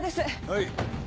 はい。